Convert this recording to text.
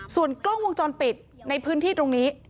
ส่วนกล้องวงจรปิดในพื้นที่ตรงนี้